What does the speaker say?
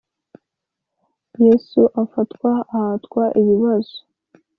Yesu afatwa Ahatwa ibibazo